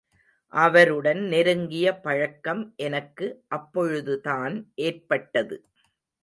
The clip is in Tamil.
அவருடன் நெருங்கிய பழக்கம் எனக்கு அப்பொழுதுதான் ஏற்பட்டது.